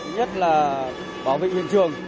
nhất là bảo vệ huyện trường